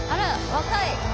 若い。